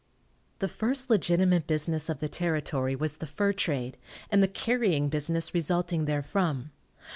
The first legitimate business of the territory was the fur trade, and the carrying business resulting therefrom.